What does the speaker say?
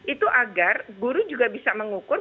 itu agar guru juga bisa mengukur